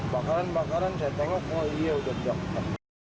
bakaran bakaran saya tengok oh iya udah jatuh